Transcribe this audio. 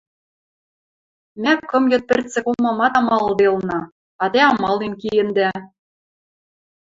— Мӓ кым йыд пӹрцӹк омымат амалыделна, а тӓ амален киэндӓ!..